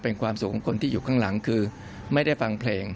เป็นความสุขของคนที่อยู่ข้างหลังคือ